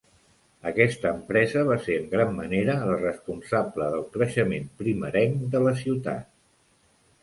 Aquesta empresa va ser en gran manera la responsable del creixement primerenc de la ciutat.